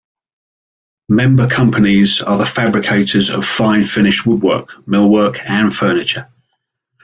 Member companies are the fabricators of fine finished woodwork, millwork, and furniture.